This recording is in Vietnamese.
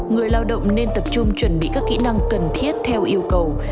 người lao động nên tập trung chuẩn bị các kỹ năng cần thiết theo yêu cầu